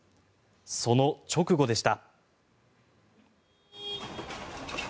その直後でした。